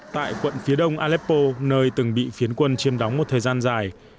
tại quận phía đông aleppo nơi từng bị phiến quân chiêm đóng một thời gian dài